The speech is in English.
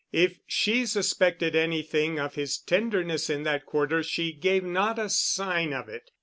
If she suspected anything of his tenderness in that quarter she gave not a sign of it.